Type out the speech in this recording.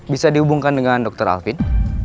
bisa dihubungkan dengan dr alvin